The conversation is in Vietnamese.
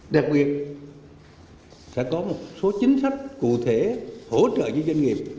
đặc biệt sẽ có một số chính sách cụ thể hỗ trợ doanh nghiệp